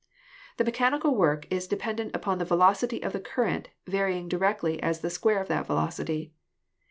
The mechanical work is de pendent upon the velocity of the current varying directly as the square of that velocity.